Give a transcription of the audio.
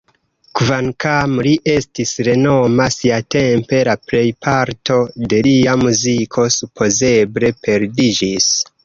Kvankam li estis renoma siatempe, la plejparto de lia muziko supozeble perdiĝis.